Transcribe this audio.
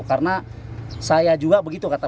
karena saya juga begitu kata